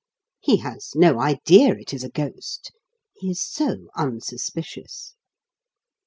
He has no idea it is a ghost: he is so unsuspicious.